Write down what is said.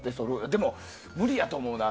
でも、無理やと思うな。